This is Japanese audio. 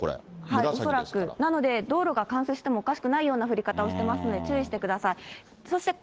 恐らく、道路が冠水してもおかしくないような降り方をしていますので、注意してください。